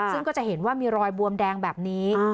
ซึ่งก็จะเห็นว่ามีรอยบวมแดงแบบนี้